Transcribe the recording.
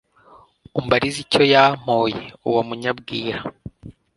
Umbarize icyo yampoye, Uwo munyabwira